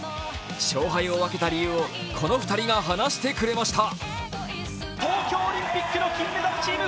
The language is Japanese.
勝敗を分けた理由をこの２人が話してくれました。